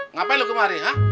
ngapain lu kemari ha